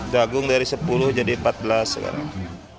jagung dari sepuluh jadi empat belas sekarang